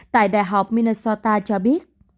tại đại học minnesota cho biết